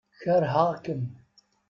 Keṛheɣ-kem.